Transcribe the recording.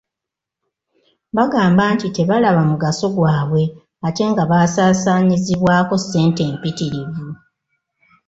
Bagamba nti tebalaba mugaso gwabwe ate nga basaasaanyizibwako ssente mpitirivu.